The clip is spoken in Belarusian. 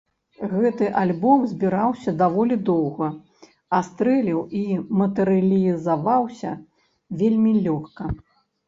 Гэты альбом збіраўся даволі доўга, а стрэліў і матэрыялізаваўся вельмі лёгка.